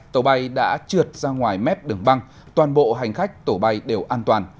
tàu bay đã trượt ra ngoài mép đường băng toàn bộ hành khách tổ bay đều an toàn